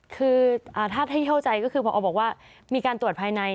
คือถ้าถึงเข้าใจพอบอกว่ามีการตรวจภายใน